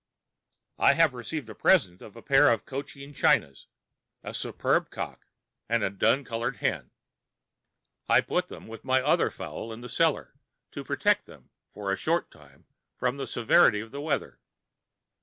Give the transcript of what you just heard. I have received a present of a pair of Cochin Chinas, a superb cock and a dun colored hen. I put them with my other fowls in the cellar, to protect them for a short time from the severity of the weather.